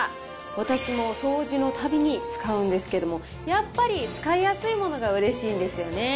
私も掃除のたびに使うんですけども、やっぱり使いやすいものがうれしいんですよね。